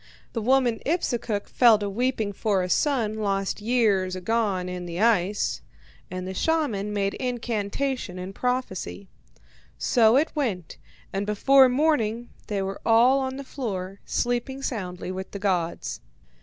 The woman Ipsukuk fell to weeping for a son lost long years agone in the ice, and the shaman made incantation and prophecy. So it went, and before morning they were all on the floor, sleeping soundly with the gods.